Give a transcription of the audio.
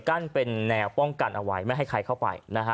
กั้นเป็นแนวป้องกันเอาไว้ไม่ให้ใครเข้าไปนะฮะ